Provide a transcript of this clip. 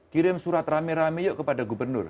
kirim surat rame rame yuk kepada gubernur